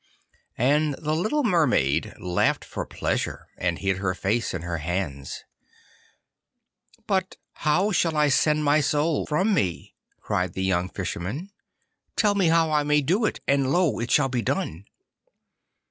And the little Mermaid laughed for pleasure and hid her face in her hands. 'But how shall I send my soul from me?' cried the young Fisherman. 'Tell me how I may do it, and lo! it shall be done.